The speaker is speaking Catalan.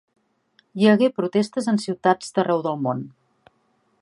Hi hagué protestes en ciutats d'arreu del món.